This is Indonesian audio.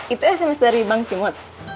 itu sms dari bang cimot